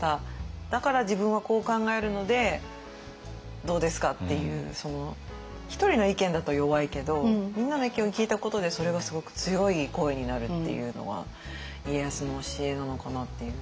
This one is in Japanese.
「だから自分はこう考えるのでどうですか？」っていうひとりの意見だと弱いけどみんなの意見を聞いたことでそれがすごく強い声になるっていうのは家康の教えなのかなっていう。